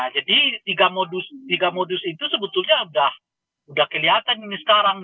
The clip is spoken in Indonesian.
jadi tiga modus itu sebetulnya udah kelihatan ini sekarang